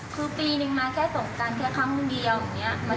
ปกป้องฉันไม่ได้อ่ะหนูก็เลยขออาหญ่กับเขา